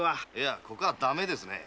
ここはダメですね。